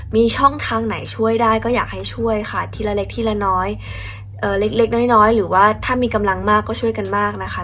มีช่องทางไหนช่วยได้ก็อยากให้ช่วยค่ะทีละเล็กทีละน้อยเล็กน้อยหรือว่าถ้ามีกำลังมากก็ช่วยกันมากนะคะ